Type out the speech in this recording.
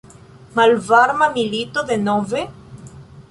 Malvarma milito denove?